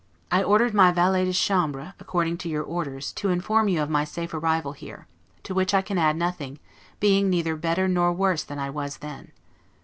I ordered my valet de chambre, according to your orders, to inform you of my safe arrival here; to which I can add nothing, being neither better nor worse than I was then.